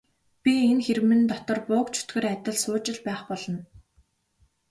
Би энэ хэрмэн дотор буг чөтгөр адил сууж л байх болно.